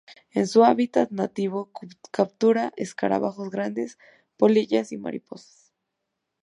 En su hábitat nativo captura escarabajos grandes, polillas y mariposas.